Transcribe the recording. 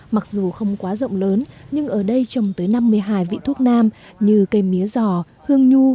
mặc dù không quá rộng lớn nhưng ở đây trồng tới năm mươi hai vị thuốc nam như cây mía giò hương nhu